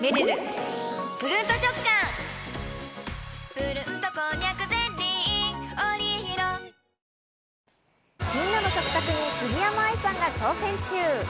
さぁ、あとはみんなの食卓に杉山愛さんが挑戦中！